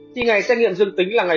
khi ngày xét nghiệm dương tính là ngày